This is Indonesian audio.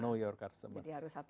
jadi harus satu orang